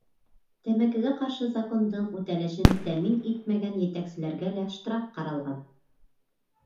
Тәмәкегә ҡаршы закондың үтәлешен тәьмин итмәгән етәкселәргә лә штраф ҡаралған.